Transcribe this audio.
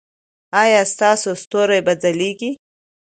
ایا ستاسو ستوري به ځلیږي؟